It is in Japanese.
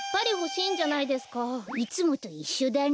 いつもといっしょだね。